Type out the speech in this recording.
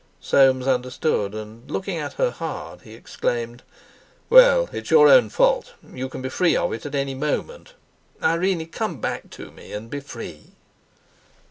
Soames understood; and, looking at her hard, he exclaimed: "Well, it's your own fault. You can be free of it at any moment. Irene, come back to me, and be free."